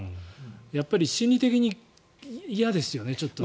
やっぱり心理的に嫌ですよね。